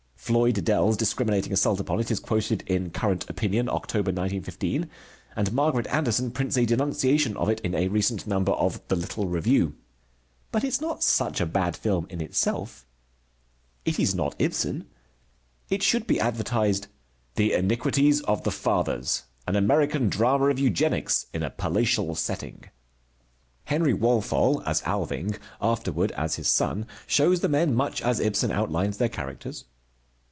Floyd Dell's discriminating assault upon it is quoted in Current Opinion, October, 1915, and Margaret Anderson prints a denunciation of it in a recent number of The Little Review. But it is not such a bad film in itself. It is not Ibsen. It should be advertised "The Iniquities of the Fathers, an American drama of Eugenics, in a Palatial Setting." Henry Walthall as Alving, afterward as his son, shows the men much as Ibsen outlines their characters.